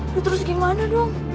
lo terus gimana dong